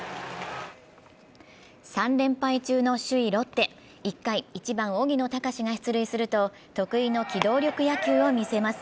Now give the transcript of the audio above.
３連敗中の首位ロッテ、１回、１番・荻野貴司が出塁すると得意の機動力野球を見せます。